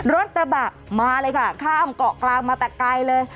รถกระบะมาเลยค่ะข้ามเกาะกลางมาแต่ไกลเลย